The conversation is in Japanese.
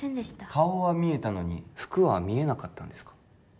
顔は見えたのに服は見えなかったんですか？